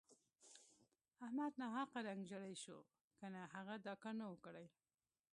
احمد ناحقه رنګ ژړی شو که نه هغه دا کار نه وو کړی.